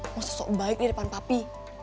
masa sok baik di depan papi